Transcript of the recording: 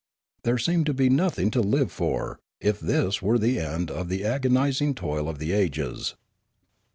There seemed to be nothing to live for, if this were the end of the agonising toil of the ages.